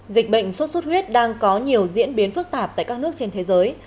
dịch bệnh sốt xuất huyết đang có nhiều diễn biến phức tạp tại các nước trên thế giới